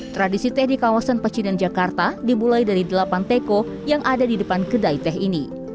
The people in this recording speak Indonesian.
tradisi teh di kawasan pecinan jakarta dimulai dari delapan teko yang ada di depan kedai teh ini